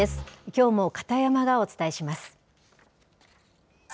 きょうも片山がお伝えします。